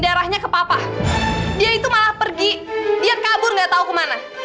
darahnya kepapah dia itu malah pergi dia kabur nggak tahu kemana